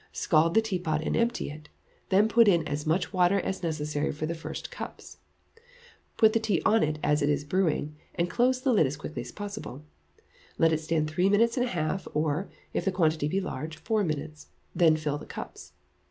Scald the teapot and empty it; then put in as much water as necessary for the first cups; put the tea on it as in brewing, and close the lid as quickly as possible. Let it stand three minutes and a half, or, if the quantity be large, four minutes, then fill the cups.